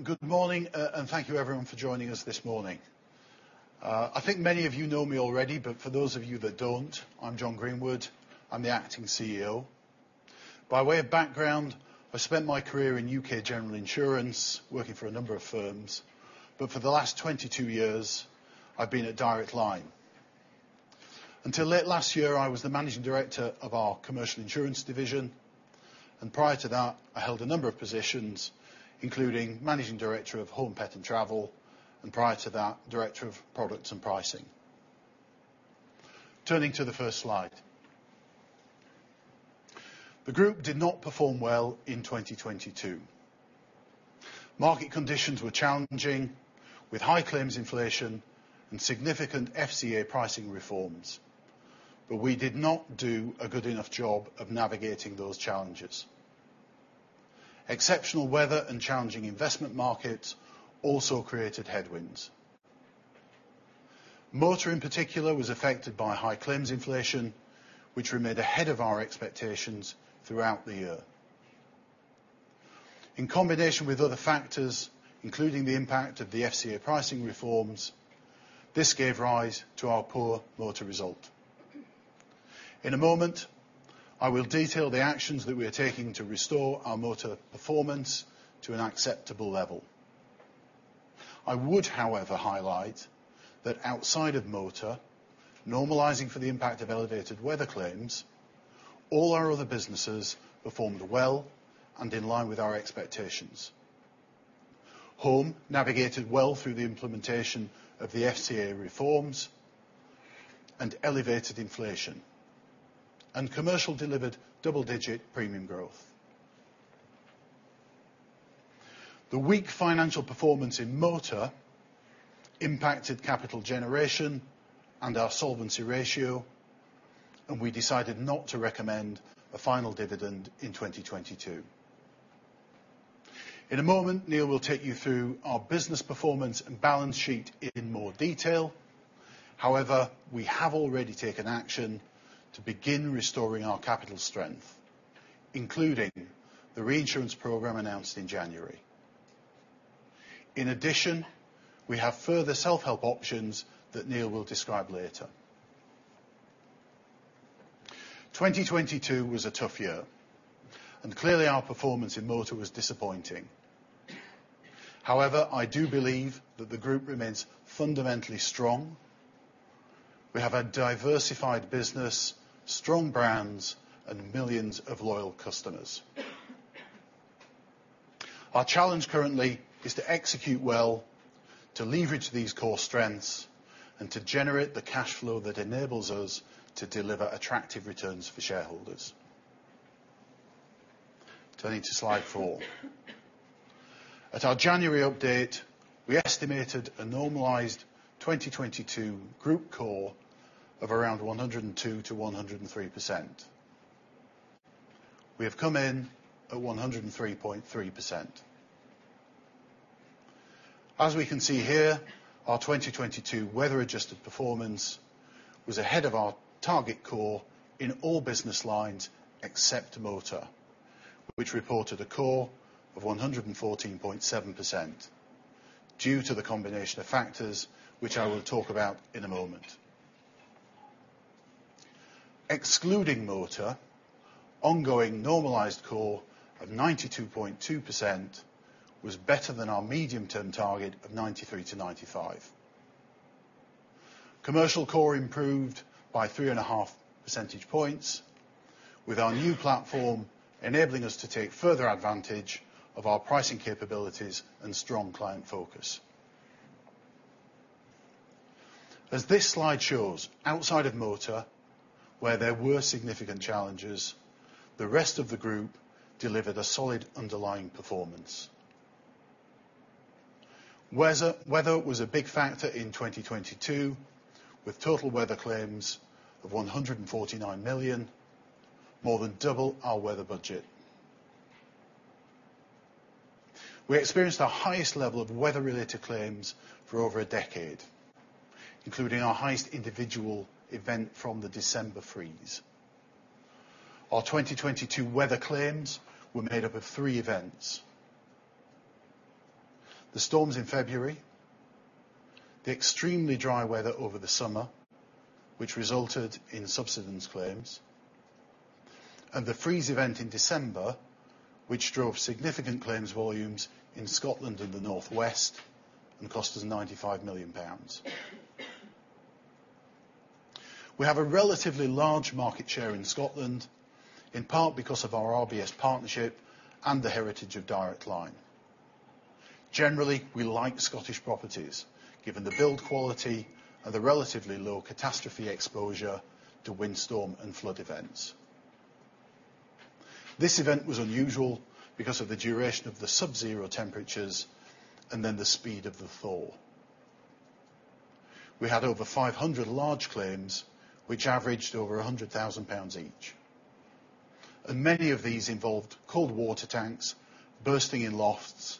Good morning. Thank you everyone for joining us this morning. I think many of you know me already, but for those of you that don't, I'm Jon Greenwood. I'm the Acting CEO. By way of background, I spent my career in UK General Insurance, working for a number of firms. For the last 22 years, I've been at Direct Line. Until late last year, I was the Managing Director of our commercial insurance division, and prior to that, I held a number of positions, including Managing Director of Home, Pet, and Travel, and prior to that, Director of Products and Pricing. Turning to the first slide. The group did not perform well in 2022. Market conditions were challenging, with high claims inflation and significant FCA pricing reforms. We did not do a good enough job of navigating those challenges. Exceptional weather and challenging investment markets also created headwinds. Motor, in particular, was affected by high claims inflation, which remained ahead of our expectations throughout the year. In combination with other factors, including the impact of the FCA pricing reforms, this gave rise to our poor motor result. In a moment, I will detail the actions that we are taking to restore our motor performance to an acceptable level. I would, however, highlight that outside of motor, normalizing for the impact of elevated weather claims, all our other businesses performed well and in line with our expectations. Home navigated well through the implementation of the FCA reforms and elevated inflation. Commercial delivered double-digit premium growth. The weak financial performance in motor impacted capital generation and our solvency ratio. We decided not to recommend a final dividend in 2022. In a moment, Neil will take you through our business performance and balance sheet in more detail. We have already taken action to begin restoring our capital strength, including the reinsurance program announced in January. We have further self-help options that Neil will describe later. 2022 was a tough year, clearly our performance in motor was disappointing. I do believe that the group remains fundamentally strong. We have a diversified business, strong brands, and millions of loyal customers. Our challenge currently is to execute well, to leverage these core strengths, and to generate the cash flow that enables us to deliver attractive returns for shareholders. Turning to slide four. At our January update, we estimated a normalized 2022 group core of around 102%-103%. We have come in at 103.3%. As we can see here, our 2022 weather-adjusted performance was ahead of our target core in all business lines except motor, which reported a core of 114.7% due to the combination of factors which I will talk about in a moment. Excluding motor, ongoing normalized core of 92.2% was better than our medium-term target of 93%-95%. Commercial core improved by 3.5 percentage points, with our new platform enabling us to take further advantage of our pricing capabilities and strong client focus. As this slide shows, outside of motor, where there were significant challenges, the rest of the group delivered a solid underlying performance. Weather was a big factor in 2022, with total weather claims of 149 million, more than double our weather budget. We experienced our highest level of weather-related claims for over a decade, including our highest individual event from the December freeze. Our 2022 weather claims were made up of three events. The storms in February, the extremely dry weather over the summer, which resulted in subsidence claims, and the freeze event in December, which drove significant claims volumes in Scotland and the Northwest and cost us 95 million pounds. We have a relatively large market share in Scotland, in part because of our RBS partnership and the heritage of Direct Line. Generally, we like Scottish properties, given the build quality and the relatively low catastrophe exposure to windstorm and flood events. This event was unusual because of the duration of the subzero temperatures and then the speed of the thaw. We had over 500 large claims, which averaged over 100,000 pounds each. Many of these involved cold water tanks bursting in lofts,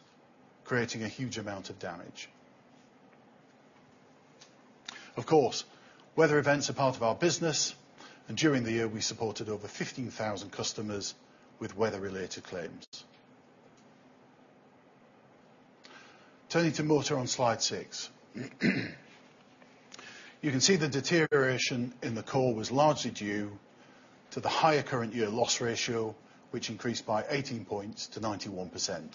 creating a huge amount of damage. Of course, weather events are part of our business, and during the year, we supported over 15,000 customers with weather-related claims. Turning to motor on slide six. You can see the deterioration in the core was largely due to the higher current year loss ratio, which increased by 18 points to 91%.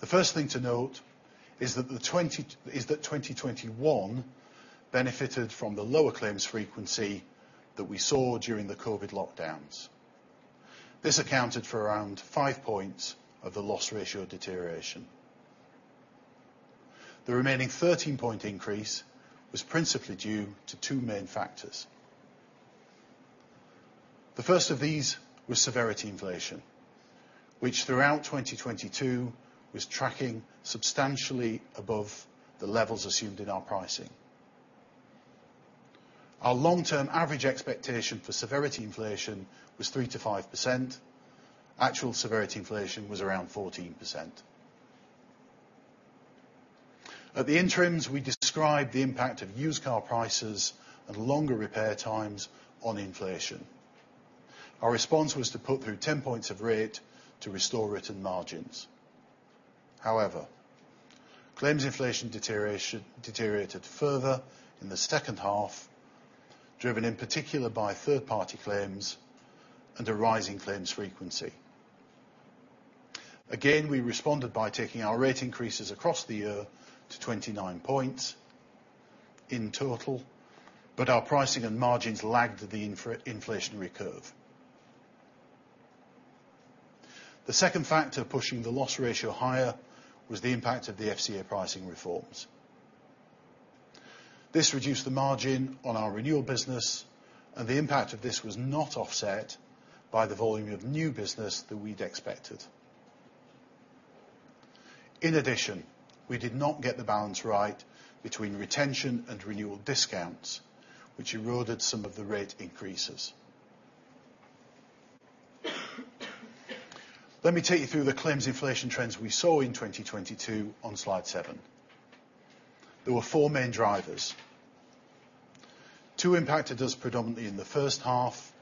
The first thing to note is that 2021 benefited from the lower claims frequency that we saw during the COVID lockdowns. This accounted for around five points of the loss ratio deterioration. The remaining 13-point increase was principally due to two main factors. The first of these was severity inflation, which throughout 2022 was tracking substantially above the levels assumed in our pricing. Our long-term average expectation for severity inflation was 3%-5%. Actual severity inflation was around 14%. At the interims, we described the impact of used car prices and longer repair times on inflation. Our response was to put through 10 points of rate to restore written margins. However, claims inflation deteriorated further in the second half, driven in particular by third-party claims and a rising claims frequency. Again, we responded by taking our rate increases across the year to 29 points in total, but our pricing and margins lagged the inflationary curve. The second factor pushing the loss ratio higher was the impact of the FCA pricing reforms. This reduced the margin on our renewal business, and the impact of this was not offset by the volume of new business that we'd expected. In addition, we did not get the balance right between retention and renewal discounts, which eroded some of the rate increases. Let me take you through the claims inflation trends we saw in 2022 on slide seven. There were four main drivers. Two impacted us predominantly in the first half,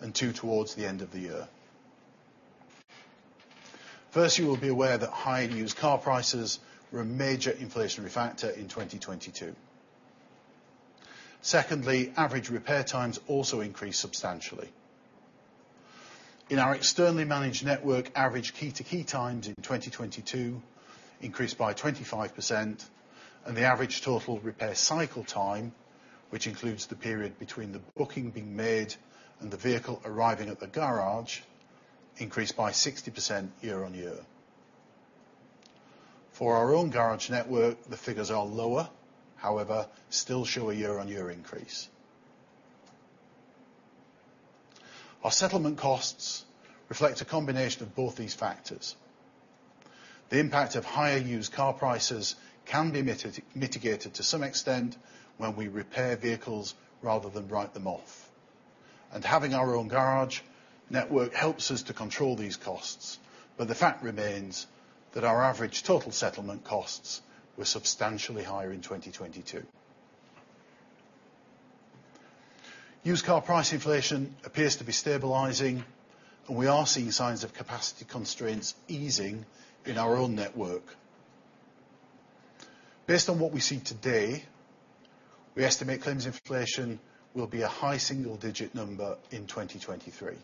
and two towards the end of the year. First, you will be aware that high used car prices were a major inflationary factor in 2022. Secondly, average repair times also increased substantially. In our externally managed network, average key-to-key times in 2022 increased by 25%, and the average total repair cycle time, which includes the period between the booking being made and the vehicle arriving at the garage, increased by 60% year-on-year. For our own garage network, the figures are lower, however, still show a year-on-year increase. Our settlement costs reflect a combination of both these factors. The impact of higher used car prices can be mitigated to some extent when we repair vehicles rather than write them off. Having our own garage network helps us to control these costs. The fact remains that our average total settlement costs were substantially higher in 2022. Used car price inflation appears to be stabilizing, and we are seeing signs of capacity constraints easing in our own network. Based on what we see today, we estimate claims inflation will be a high single-digit number in 2023.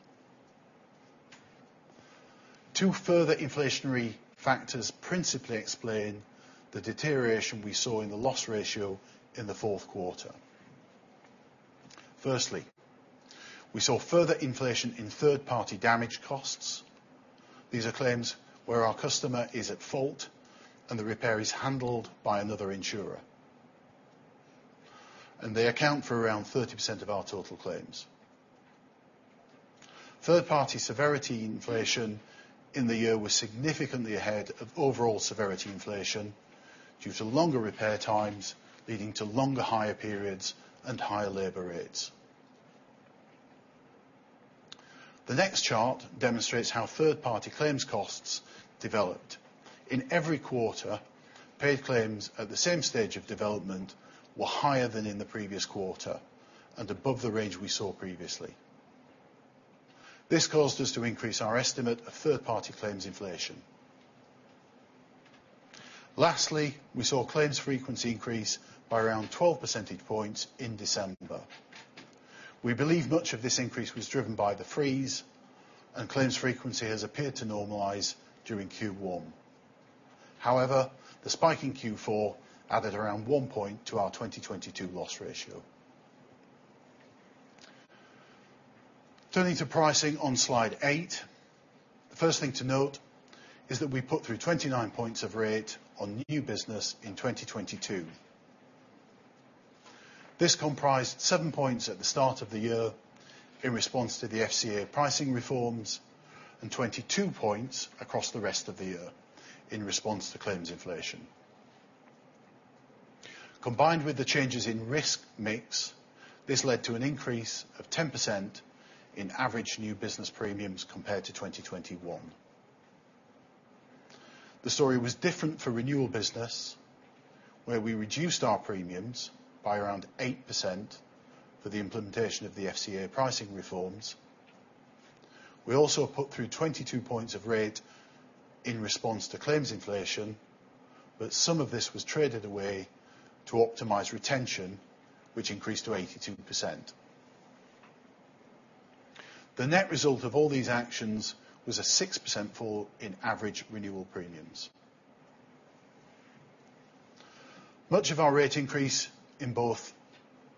Two further inflationary factors principally explain the deterioration we saw in the loss ratio in the Q4. Firstly, we saw further inflation in third-party damage costs. These are claims where our customer is at fault and the repair is handled by another insurer, and they account for around 30% of our total claims. Third-party severity inflation in the year was significantly ahead of overall severity inflation due to longer repair times, leading to longer hire periods and higher labor rates. The next chart demonstrates how third-party claims costs developed. In every quarter, paid claims at the same stage of development were higher than in the previous quarter and above the range we saw previously. This caused us to increase our estimate of third-party claims inflation. We saw claims frequency increase by around 12 percentage points in December. We believe much of this increase was driven by the freeze, claims frequency has appeared to normalize during Q1. The spike in Q4 added around one point to our 2022 loss ratio. Turning to pricing on slide eight. The first thing to note is that we put through 29 points of rate on new business in 2022. This comprised seven points at the start of the year in response to the FCA pricing reforms, 22 points across the rest of the year in response to claims inflation. Combined with the changes in risk mix, this led to an increase of 10% in average new business premiums compared to 2021. The story was different for renewal business, where we reduced our premiums by around 8% for the implementation of the FCA pricing reforms. We also put through 22 points of rate in response to claims inflation, but some of this was traded away to optimize retention, which increased to 82%. The net result of all these actions was a 6% fall in average renewal premiums. Much of our rate increase in both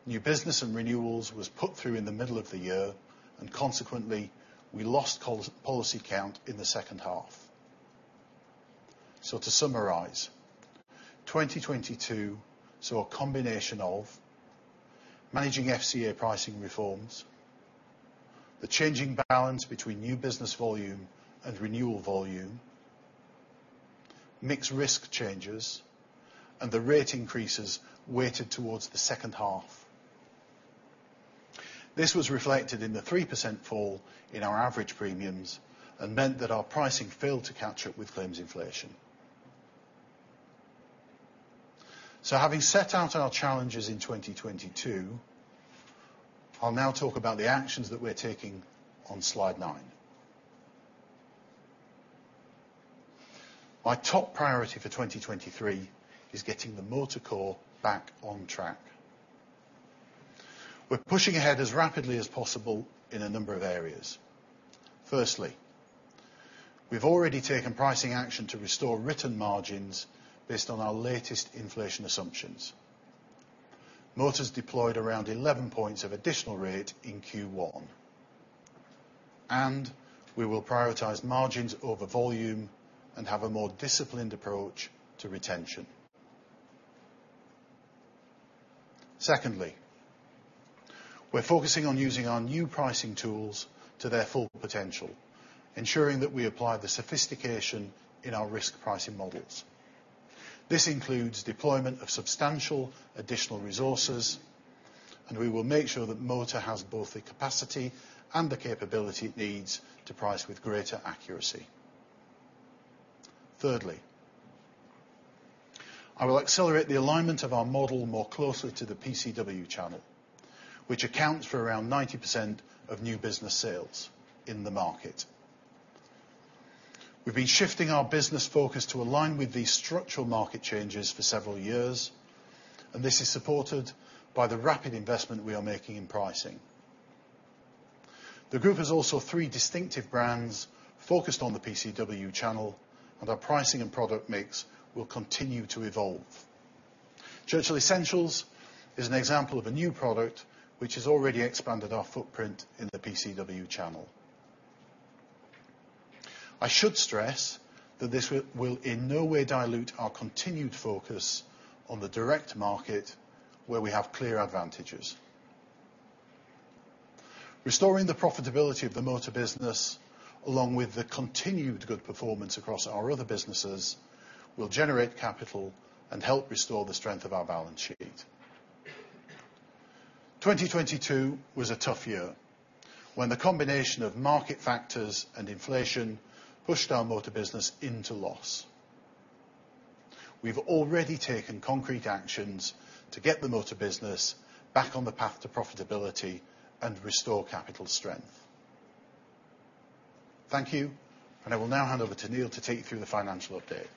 new business and renewals was put through in the middle of the year and consequently we lost policy count in the second half. To summarize, 2022 saw a combination of managing FCA pricing reforms, the changing balance between new business volume and renewal volume, mixed risk changes, and the rate increases weighted towards the second half. This was reflected in the 3% fall in our average premiums and meant that our pricing failed to capture it with claims inflation. Having set out our challenges in 2022, I'll now talk about the actions that we're taking on slide nine. My top priority for 2023 is getting the motor core back on track. We're pushing ahead as rapidly as possible in a number of areas. Firstly, we've already taken pricing action to restore written margins based on our latest inflation assumptions. Motors deployed around 11 points of additional rate in Q1. We will prioritize margins over volume and have a more disciplined approach to retention. Secondly, we're focusing on using our new pricing tools to their full potential, ensuring that we apply the sophistication in our risk pricing models. This includes deployment of substantial additional resources. We will make sure that motor has both the capacity and the capability it needs to price with greater accuracy. Thirdly, I will accelerate the alignment of our model more closely to the PCW channel, which accounts for around 90% of new business sales in the market. We've been shifting our business focus to align with these structural market changes for several years. This is supported by the rapid investment we are making in pricing. The group has also three distinctive brands focused on the PCW channel. Our pricing and product mix will continue to evolve. Churchill Essentials is an example of a new product which has already expanded our footprint in the PCW channel. I should stress that this will in no way dilute our continued focus on the direct market where we have clear advantages. Restoring the profitability of the motor business, along with the continued good performance across our other businesses, will generate capital and help restore the strength of our balance sheet. 2022 was a tough year. The combination of market factors and inflation pushed our motor business into loss. We've already taken concrete actions to get the motor business back on the path to profitability and restore capital strength. Thank you, and I will now hand over to Neil to take you through the financial update.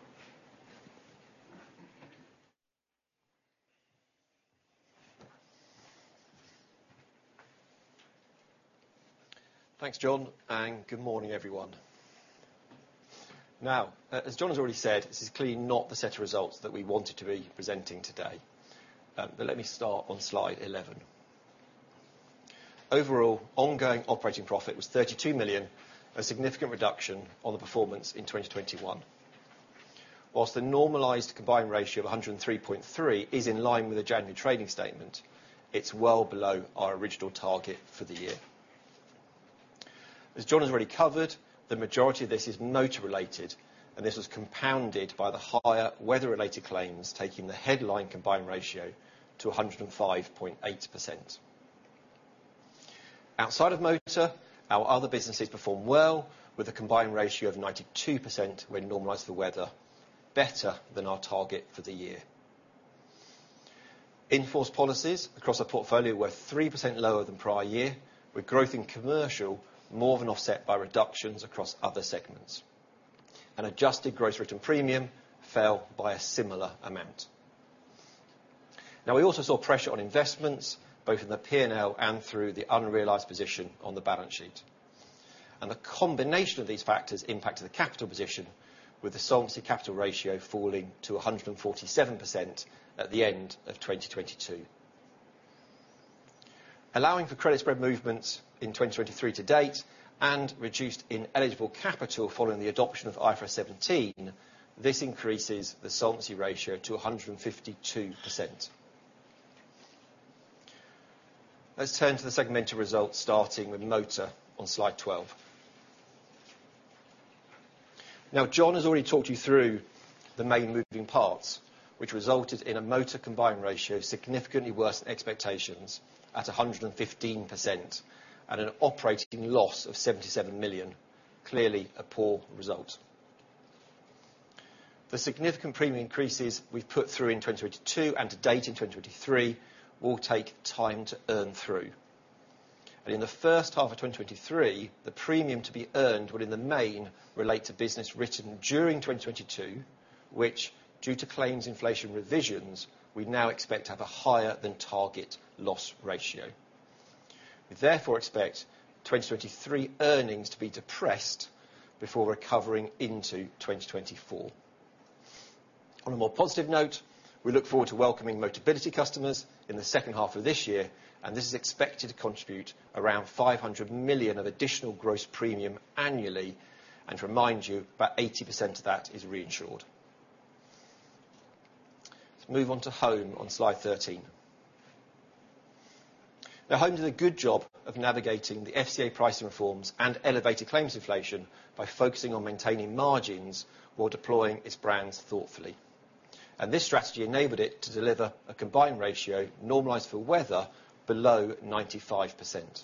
Thanks, Jon. Good morning, everyone. Now, as Jon has already said, this is clearly not the set of results that we wanted to be presenting today. Let me start on slide 11. Overall, ongoing operating profit was 32 million, a significant reduction on the performance in 2021. Whilst the normalized combined ratio of 103.3 is in line with the January trading statement, it's well below our original target for the year. As Jon has already covered, the majority of this is motor-related. This was compounded by the higher weather-related claims, taking the headline combined ratio to 105.8%. Outside of motor, our other businesses perform well with a combined ratio of 92% when normalized for weather, better than our target for the year. In-force policies across our portfolio were 3% lower than prior year, with growth in commercial more than offset by reductions across other segments. An adjusted gross written premium fell by a similar amount. We also saw pressure on investments, both in the P&L and through the unrealized position on the balance sheet. The combination of these factors impacted the capital position with the solvency capital ratio falling to 147% at the end of 2022. Allowing for credit spread movements in 2023 to date and reduced in eligible capital following the adoption of IFRS 17, this increases the solvency ratio to 152%. Let's turn to the segmental results starting with motor on slide 12. Jon has already talked you through the main moving parts, which resulted in a motor combined ratio significantly worse than expectations at 115% and an operating loss of 77 million. Clearly, a poor result. The significant premium increases we've put through in 2022 and to date in 2023 will take time to earn through. In the first half of 2023, the premium to be earned will in the main relate to business written during 2022, which, due to claims inflation revisions, we now expect to have a higher than target loss ratio. We expect 2023 earnings to be depressed before recovering into 2024. On a more positive note, we look forward to welcoming Motability customers in the second half of this year, this is expected to contribute around 500 million of additional gross premium annually. To remind you, about 80% of that is reinsured. Let's move on to home on slide 13. Home did a good job of navigating the FCA pricing reforms and elevated claims inflation by focusing on maintaining margins while deploying its brands thoughtfully. This strategy enabled it to deliver a combined ratio normalized for weather below 95%.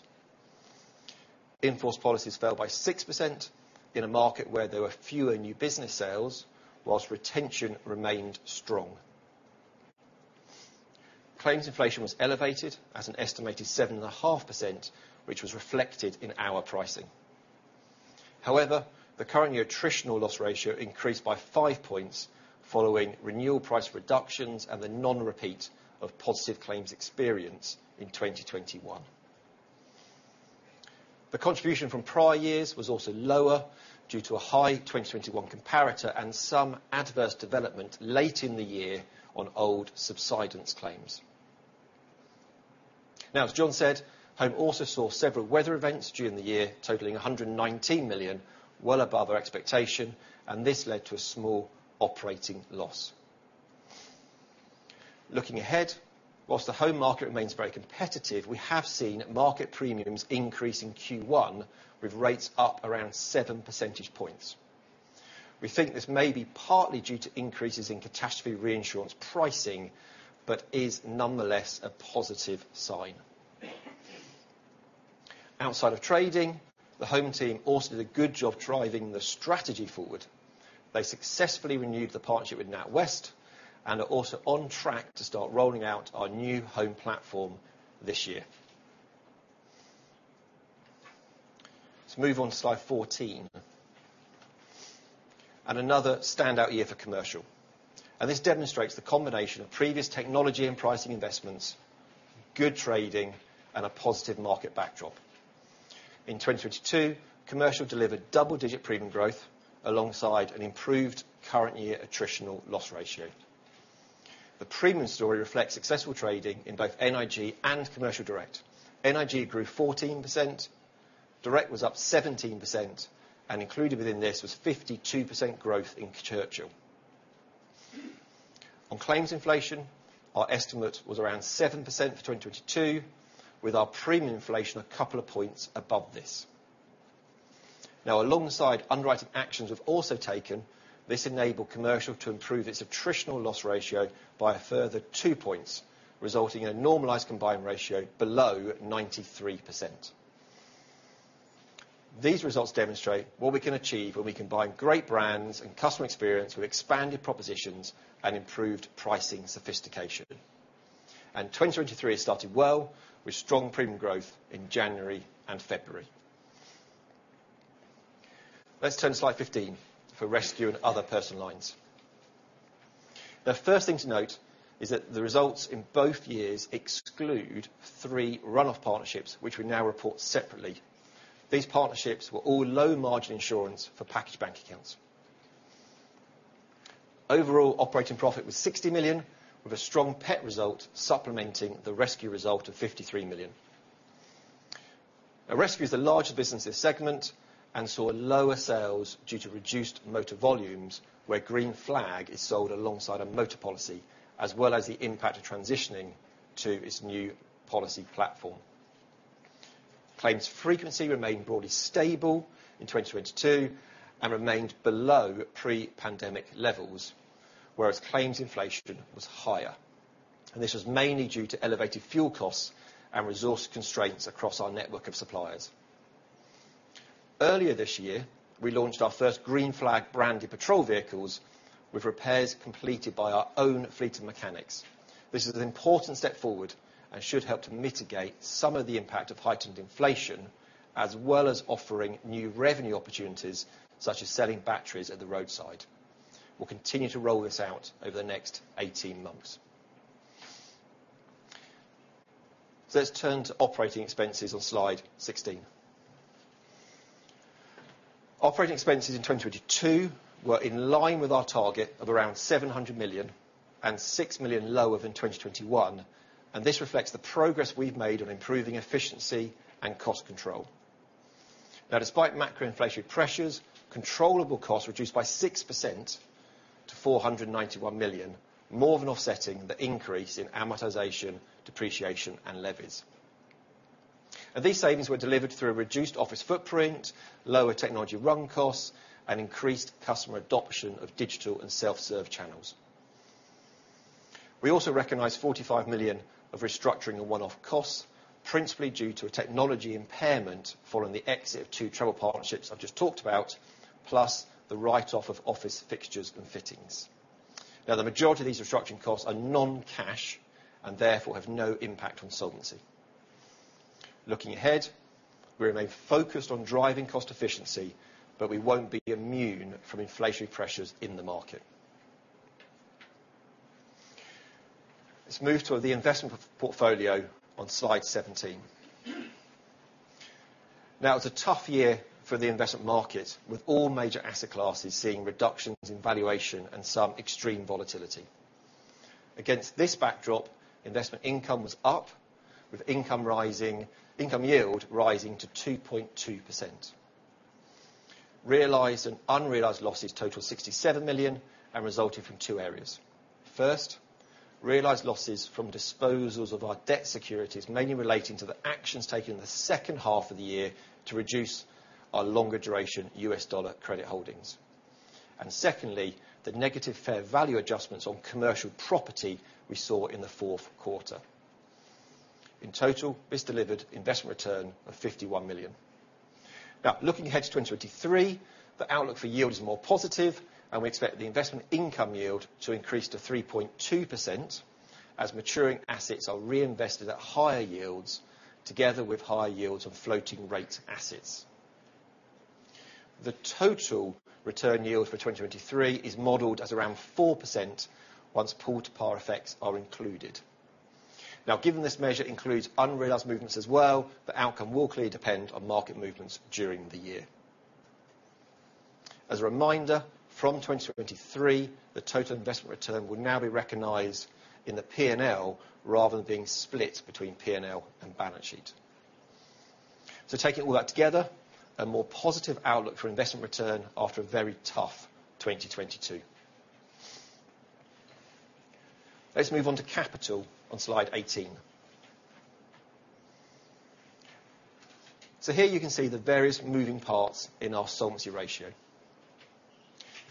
In-force policies fell by 6% in a market where there were fewer new business sales, whilst retention remained strong. Claims inflation was elevated at an estimated 7.5%, which was reflected in our pricing. The current year attritional loss ratio increased by five points following renewal price reductions and the non-repeat of positive claims experience in 2021. The contribution from prior years was also lower due to a high 2021 comparator and some adverse development late in the year on old subsidence claims. As Jon said, home also saw several weather events during the year, totaling 119 million, well above our expectation, and this led to a small operating loss. Whilst the home market remains very competitive, we have seen market premiums increase in Q1 with rates up around seven percentage points. We think this may be partly due to increases in catastrophe reinsurance pricing, but is nonetheless a positive sign. The home team also did a good job driving the strategy forward. They successfully renewed the partnership with NatWest and are also on track to start rolling out our new home platform this year. Let's move on to slide 14. Another standout year for commercial. This demonstrates the combination of previous technology and pricing investments, good trading, and a positive market backdrop. In 2022, commercial delivered double-digit premium growth alongside an improved current year attritional loss ratio. The premium story reflects successful trading in both NIG and commercial direct. NIG grew 14%, direct was up 17%, and included within this was 52% growth in Churchill. On claims inflation, our estimate was around 7% for 2022, with our premium inflation a couple of points above this. Alongside underwriting actions we've also taken, this enabled commercial to improve its attritional loss ratio by a further two points, resulting in a normalized combined ratio below 93%. These results demonstrate what we can achieve when we combine great brands and customer experience with expanded propositions and improved pricing sophistication. 2023 has started well with strong premium growth in January and February. Let's turn to slide 15 for rescue and other personal lines. The first thing to note is that the results in both years exclude three run-off partnerships which we now report separately. These partnerships were all low-margin insurance for package bank accounts. Overall operating profit was 60 million with a strong pet result supplementing the rescue result of 53 million. Rescue is the largest business segment and saw lower sales due to reduced motor volumes where Green Flag is sold alongside a motor policy, as well as the impact of transitioning to its new policy platform. Claims frequency remained broadly stable in 2022 and remained below pre-pandemic levels, whereas claims inflation was higher. This was mainly due to elevated fuel costs and resource constraints across our network of suppliers. Earlier this year, we launched our first Green Flag branded patrol vehicles with repairs completed by our own fleet of mechanics. This is an important step forward and should help to mitigate some of the impact of heightened inflation, as well as offering new revenue opportunities, such as selling batteries at the roadside. We'll continue to roll this out over the next 18 months. Let's turn to operating expenses on slide 16. Operating expenses in 2022 were in line with our target of around 700 million and 6 million lower than 2021. This reflects the progress we've made on improving efficiency and cost control. Now despite macro inflationary pressures, controllable costs reduced by 6% to 491 million, more than offsetting the increase in amortization, depreciation, and levies. These savings were delivered through a reduced office footprint, lower technology run costs, and increased customer adoption of digital and self-serve channels. We also recognize 45 million of restructuring and one-off costs, principally due to a technology impairment following the exit of two travel partnerships I've just talked about, plus the write-off of office fixtures and fittings. Now, the majority of these restructuring costs are non-cash, and therefore have no impact on solvency. Looking ahead, we remain focused on driving cost efficiency, but we won't be immune from inflationary pressures in the market. Let's move to the investment portfolio on slide 17. It was a tough year for the investment market, with all major asset classes seeing reductions in valuation and some extreme volatility. Against this backdrop, investment income was up, with income yield rising to 2.2%. Realized and unrealized losses total 67 million, and resulted from two areas. First, realized losses from disposals of our debt securities, mainly relating to the actions taken in the second half of the year to reduce our longer duration U.S. dollar credit holdings. Secondly, the negative fair value adjustments on commercial property we saw in the Q4. In total, this delivered investment return of 51 million. Looking ahead to 2023, the outlook for yield is more positive. We expect the investment income yield to increase to 3.2% as maturing assets are reinvested at higher yields, together with higher yields on floating rate assets. The total return yield for 2023 is modeled at around 4% once pull to par effects are included. Given this measure includes unrealized movements as well, the outcome will clearly depend on market movements during the year. As a reminder, from 2023, the total investment return will now be recognized in the P&L rather than being split between P&L and balance sheet. Taking all that together, a more positive outlook for investment return after a very tough 2022. Let's move on to capital on slide 18. Here you can see the various moving parts in our solvency ratio.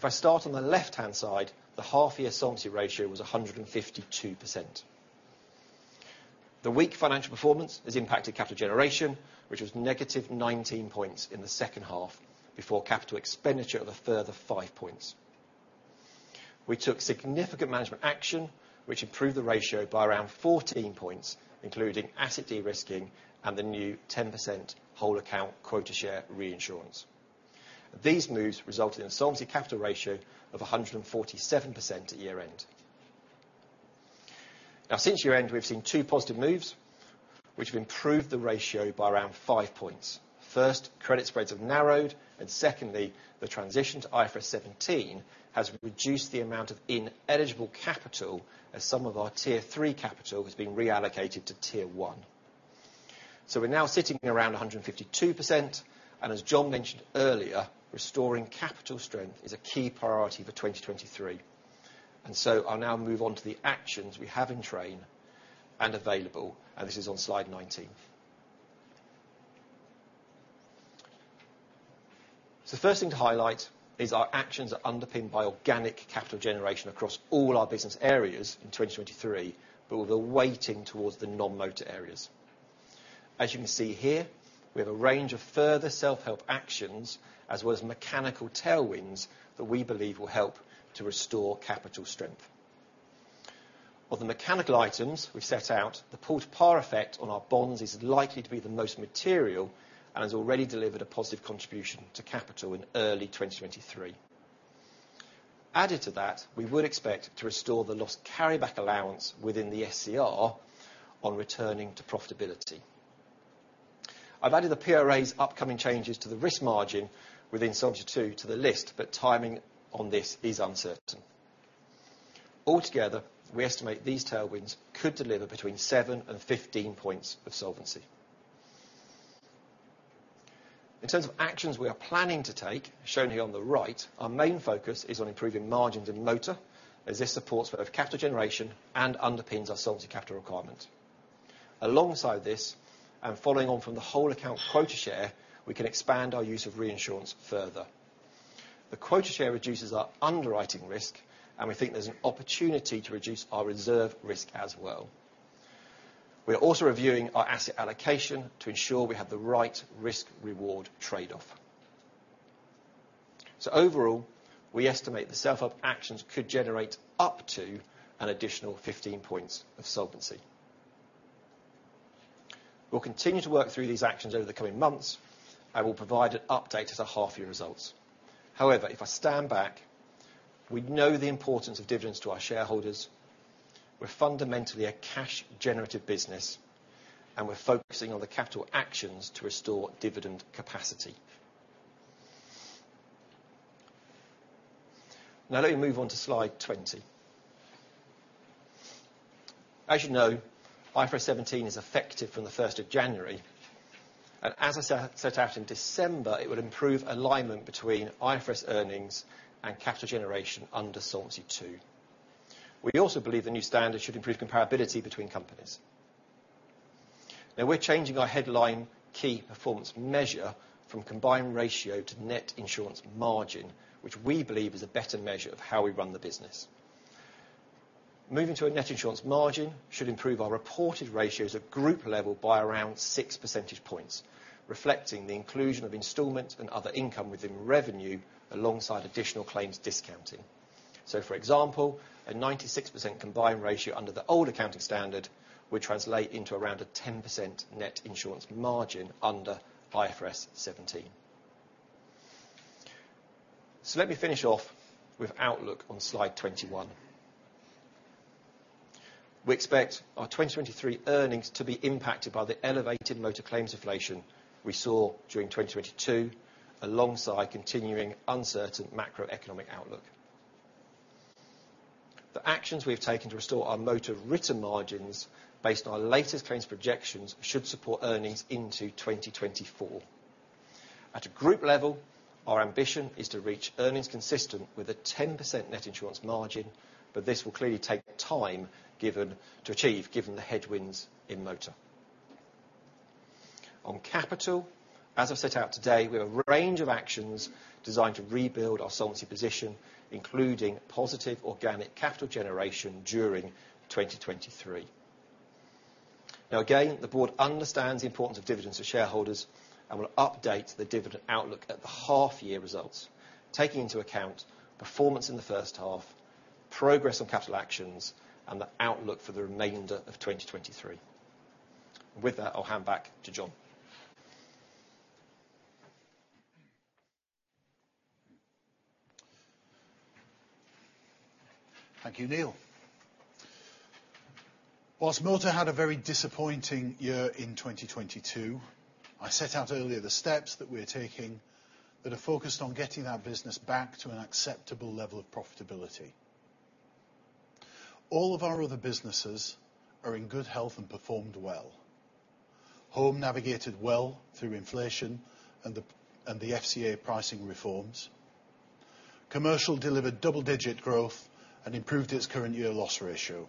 I start on the left-hand side, the half-year solvency ratio was 152%. The weak financial performance has impacted capital generation, which was negative 19 points in the second half, before capital expenditure of a further five points. We took significant management action, which improved the ratio by around 14 points, including asset de-risking and the new 10% whole account quota share reinsurance. These moves resulted in a solvency capital ratio of 147% at year-end. Since year-end, we've seen two positive moves which have improved the ratio by around five points. First, credit spreads have narrowed, and secondly, the transition to IFRS 17 has reduced the amount of ineligible capital as some of our Tier 3 capital has been reallocated to Tier 1. We're now sitting around 152%, and as Jon mentioned earlier, restoring capital strength is a key priority for 2023. I'll now move on to the actions we have in train and available, and this is on slide 19. The first thing to highlight is our actions are underpinned by organic capital generation across all our business areas in 2023, but with a weighting towards the non-motor areas. As you can see here, we have a range of further self-help actions, as well as mechanical tailwinds that we believe will help to restore capital strength. Of the mechanical items we've set out, the pull to par effect on our bonds is likely to be the most material, and has already delivered a positive contribution to capital in early 2023. We would expect to restore the lost carryback allowance within the SCR on returning to profitability. I've added the PRA's upcoming changes to the risk margin within Solvency II to the list, timing on this is uncertain. Altogether, we estimate these tailwinds could deliver between seven and 15 points of solvency. In terms of actions we are planning to take, shown here on the right, our main focus is on improving margins in motor, as this supports both capital generation and underpins our solvency capital requirement. Alongside this, following on from the whole account quota share, we can expand our use of reinsurance further. The quota share reduces our underwriting risk, we think there's an opportunity to reduce our reserve risk as well. We are also reviewing our asset allocation to ensure we have the right risk-reward trade-off. Overall, we estimate the self-help actions could generate up to an additional 15 points of solvency. We'll continue to work through these actions over the coming months. I will provide an update at the half-year results. However, if I stand back, we know the importance of dividends to our shareholders. We're fundamentally a cash generative business, and we're focusing on the capital actions to restore dividend capacity. Let me move on to slide 20. As you know, IFRS 17 is effective from the first of January, and as I set out in December, it would improve alignment between IFRS earnings and capital generation under Solvency II. We also believe the new standard should improve comparability between companies. We're changing our headline key performance measure from combined ratio to net insurance margin, which we believe is a better measure of how we run the business. Moving to a net insurance margin should improve our reported ratios at group level by around six percentage points, reflecting the inclusion of installment and other income within revenue alongside additional claims discounting. For example, a 96% combined ratio under the old accounting standard would translate into around a 10% net insurance margin under IFRS 17. Let me finish off with outlook on slide 21. We expect our 2023 earnings to be impacted by the elevated motor claims inflation we saw during 2022, alongside continuing uncertain macroeconomic outlook. The actions we have taken to restore our motor written margins based on our latest claims projections should support earnings into 2024. At a group level, our ambition is to reach earnings consistent with a 10% net insurance margin, but this will clearly take time to achieve given the headwinds in motor. Again, the board understands the importance of dividends to shareholders and will update the dividend outlook at the half year results, taking into account performance in the first half, progress on capital actions, and the outlook for the remainder of 2023. With that, I'll hand back to Jon. Thank you, Neil. Whilst motor had a very disappointing year in 2022, I set out earlier the steps that we're taking that are focused on getting our business back to an acceptable level of profitability. All of our other businesses are in good health and performed well. Home navigated well through inflation and the FCA pricing reforms. Commercial delivered double-digit growth and improved its current year loss ratio.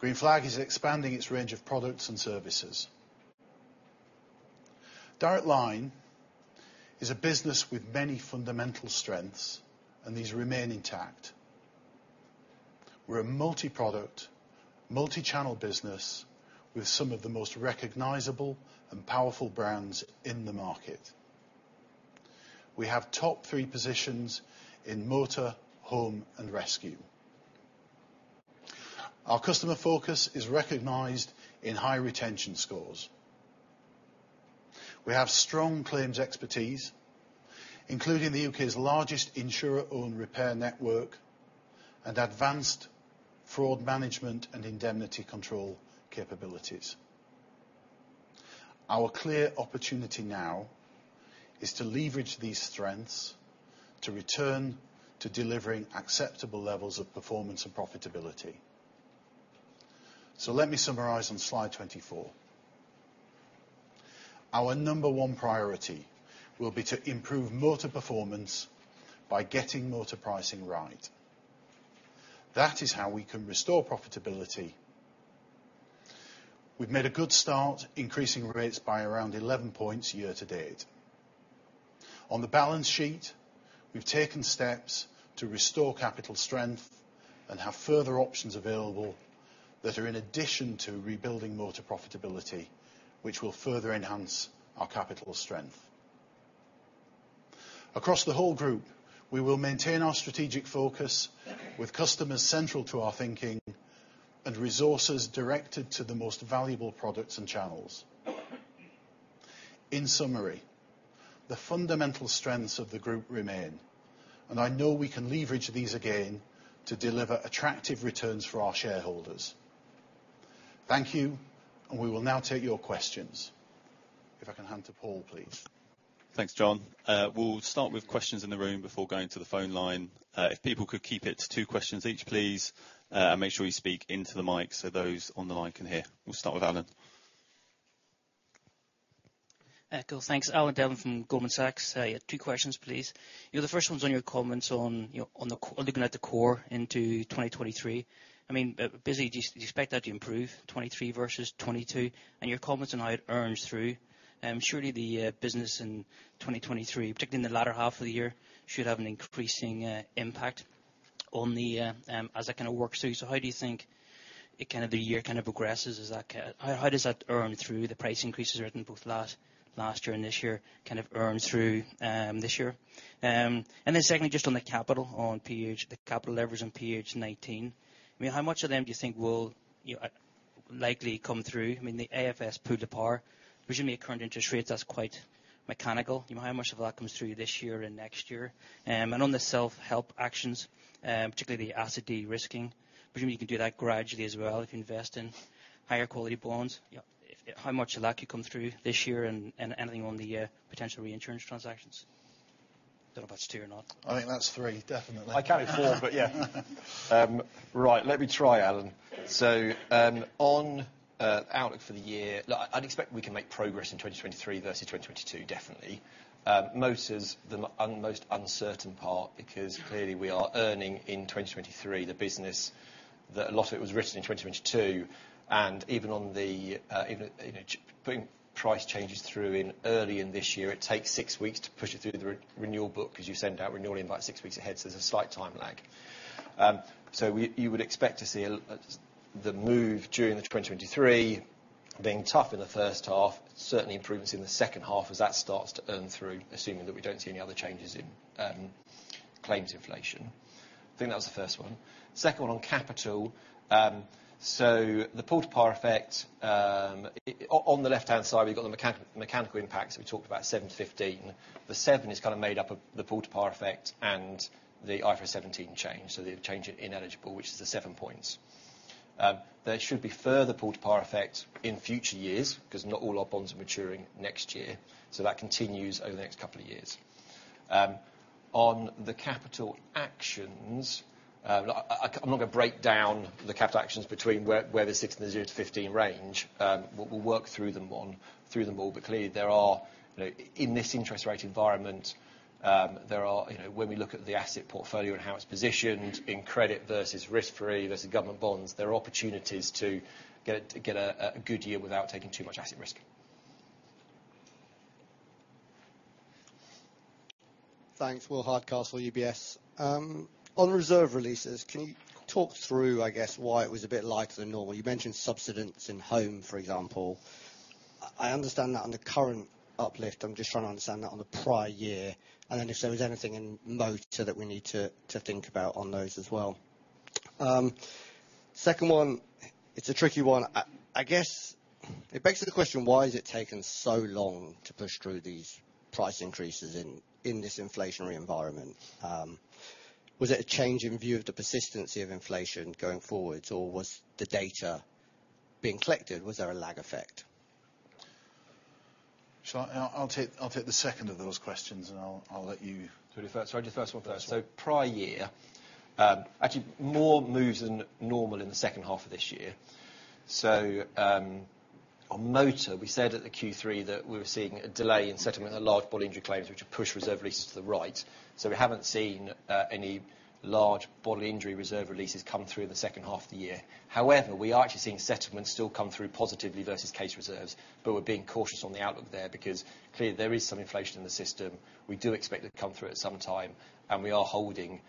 Green Flag is expanding its range of products and services. Direct Line is a business with many fundamental strengths, and these remain intact. We're a multi-product, multi-channel business with some of the most recognizable and powerful brands in the market. We have top three positions in motor, home, and rescue. Our customer focus is recognized in high retention scores. We have strong claims expertise, including the U.K.'s largest insurer-owned repair network and advanced fraud management and indemnity control capabilities. Our clear opportunity now is to leverage these strengths to return to delivering acceptable levels of performance and profitability. Let me summarize on slide 24. Our number one priority will be to improve motor performance by getting motor pricing right. That is how we can restore profitability. We've made a good start increasing rates by around 11 points year to date. On the balance sheet, we've taken steps to restore capital strength and have further options available that are in addition to rebuilding motor profitability, which will further enhance our capital strength. Across the whole group, we will maintain our strategic focus with customers central to our thinking and resources directed to the most valuable products and channels. In summary, the fundamental strengths of the group remain, and I know we can leverage these again to deliver attractive returns for our shareholders. Thank you, and we will now take your questions. If I can hand to Paul, please. Thanks, Jon. We'll start with questions in the room before going to the phone line. If people could keep it to two questions each, please, and make sure you speak into the mic so those on the line can hear. We'll start with Alan. Cool, thanks. Alan Devlin from Goldman Sachs. I have two questions, please. You know, the first one's on your comments on, you know, on the, looking at the core into 2023. I mean, basically, do you expect that to improve 2023 versus 2022? Your comments on how it earns through. Surely the business in 2023, particularly in the latter half of the year, should have an increasing impact on the as that kinda works through. How do you think it kind of, the year kind of progresses? Is that How does that earn through the price increases earned both last year and this year, kind of earn through this year? Secondly, just on the capital on PH, the capital leverage on PH 19. I mean, how much of them do you think will, you know, likely come through? I mean, the AFS pull to par, presumably at current interest rates, that's quite mechanical. You know, how much of that comes through this year and next year? And on the self-help actions, particularly the asset de-risking, presumably you can do that gradually as well if you invest in higher quality bonds. You know, how much of that could come through this year and anything on the potential reinsurance transactions? Don't know about two or not. I think that's three, definitely. I count it four, but yeah. Right. Let me try, Alan. on outlook for the year, look, I'd expect we can make progress in 2023 versus 2022, definitely. Motor's the most uncertain part because clearly we are earning in 2023 the business that a lot of it was written in 2022, and even on the, even, you know, putting price changes through in early in this year, it takes six weeks to push it through the re-renewal book 'cause you send out renewal invites six weeks ahead, so there's a slight time lag. You would expect to see the move during the 2023 being tough in the first half, certainly improvements in the second half as that starts to earn through, assuming that we don't see any other changes in claims inflation. Think that was the first one. Second one on capital. The pull to par effect on the left-hand side, we've got the mechanical impacts that we talked about, 7-15. The seven is kinda made up of the pull to par effect and the IFRS 17 change, so the change in ineligible, which is the seven points. There should be further pull to par effect in future years 'cause not all our bonds are maturing next year, so that continues over the next couple of years. On the capital actions, I'm not gonna break down the capital actions between where they sit in the 0-15 range, but we'll work through them all. Clearly there are, you know, in this interest rate environment, there are, you know, when we look at the asset portfolio and how it's positioned in credit versus risk-free versus government bonds, there are opportunities to get it to get a good year without taking too much asset risk. Thanks. Will Hardcastle, UBS. On reserve releases, can you talk through, I guess, why it was a bit lighter than normal? You mentioned subsidence in home, for example. I understand that on the current uplift. I'm just trying to understand that on the prior year, and then if there was anything in Motor that we need to think about on those as well. Second one, it's a tricky one. I guess it begs to the question, why has it taken so long to push through these price increases in this inflationary environment? Was it a change in view of the persistency of inflation going forwards, or was the data being collected, was there a lag effect? I'll take the second of those questions, and I'll let you. Shall I do the first? I'll do the first one first. Prior year, actually more moves than normal in the second half of this year. On Motor, we said at the Q3 that we were seeing a delay in settlement of large bodily injury claims, which would push reserve releases to the right. We haven't seen any large bodily injury reserve releases come through in the second half of the year. However, we are actually seeing settlements still come through positively versus case reserves, but we're being cautious on the outlook there because clearly there is some inflation in the system. We do expect it to come through at some time, and we are holding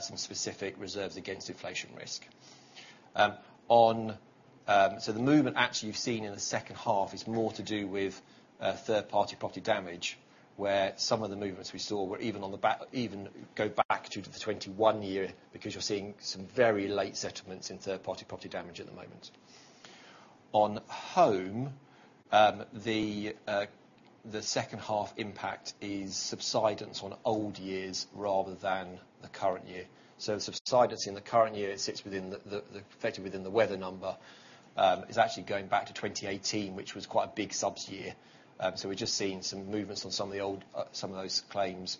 some specific reserves against inflation risk. The movement actually you've seen in the second half is more to do with third-party property damage, where some of the movements we saw were even on the even go back to the 2021 year because you're seeing some very late settlements in third-party property damage at the moment. On Home, the second half impact is subsidence on old years rather than the current year. The subsidence in the current year, it sits within the effectively within the weather number. It's actually going back to 2018, which was quite a big subs year. We're just seeing some movements on some of the old, some of those claims,